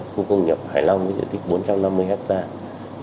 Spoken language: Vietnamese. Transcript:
khu công nghiệp hải long với diện tích bốn trăm năm mươi hectare